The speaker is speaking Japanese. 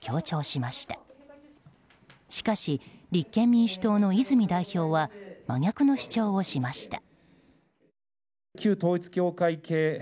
しかし、立憲民主党の泉代表は真逆の主張をしました。